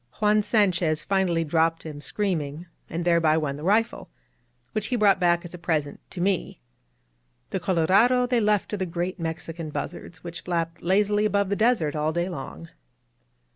Juan Sanchez finally dropped him, screaming, and thereby won the rifle, which he brought back as a present to me. The Colorado they left to the great Mexican buzzards, which flap lazily above the desert all day long.